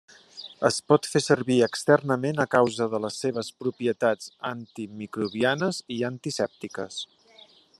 Es pot fer servir externament a causa de les seves propietats antimicrobianes i antisèptiques.